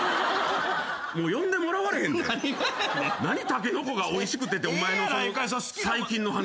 タケノコがおいしくてってお前の最近の話。